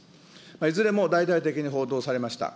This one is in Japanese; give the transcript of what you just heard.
いずれも大々的に報道されました。